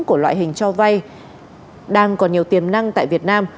của loại hình cho vay đang còn nhiều tiềm năng tại việt nam